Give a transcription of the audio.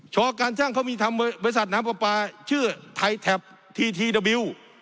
ชอการช่างเขามีบริษัทน้ำปลาชื่อไทแทปทีทีดาวิว